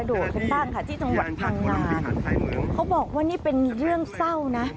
โดดกันบ้างค่ะที่จังหวัดพังงาเขาบอกว่านี่เป็นเรื่องเศร้านะ